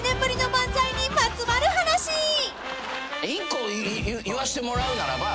１個言わせてもらうならば。